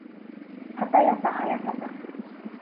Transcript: はたやたはやさた